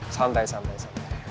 santai santai santai